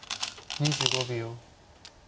２５秒。